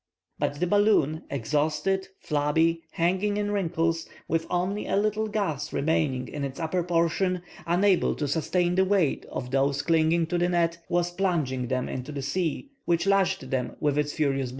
But the balloon, exhausted, flabby, hanging in wrinkles, with only a little gas remaining in its upper portion, unable to sustain the weight of those clinging to the net, was plunging them in the sea, which lashed them with its furious billows.